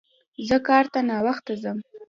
زه کار ته ناوخته ځم